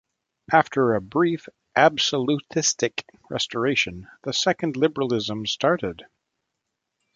After a brief absolutistic restoration, the second liberalism started.